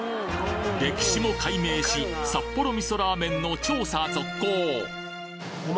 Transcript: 歴史も解明し札幌味噌ラーメンの調査続行